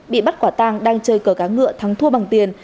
bị bắt quả tàng đang chơi cờ cá ngựa thắng thua bằng tiền